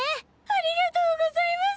ありがとうございます！